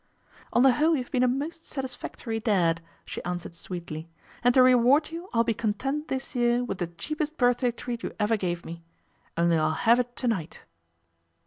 'On the whole you've been a most satisfactory dad,' she answered sweetly, 'and to reward you I'll be content this year with the cheapest birthday treat you ever gave me. Only I'll have it to night.